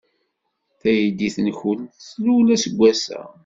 Taydit-nwent tlul aseggas-a.